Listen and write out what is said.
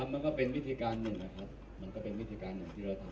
มันก็เป็นวิธีการหนึ่งนะครับมันก็เป็นวิธีการหนึ่งที่เราทำ